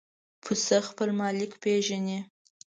پسه خپل مالک پېژني.